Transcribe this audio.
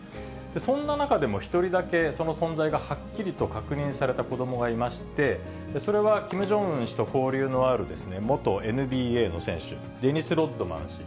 そんな中でも１人だけ、その存在がはっきりと確認された子どもがいまして、それはキム・ジョンウン氏と交流のある、元ＮＢＡの選手、デニス・ロッドマン氏。